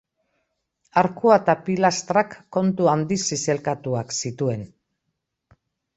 Arkua eta pilastrak kontu handiz zizelkatuak zituen.